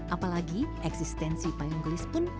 apalagi eksistensi payung gelis pun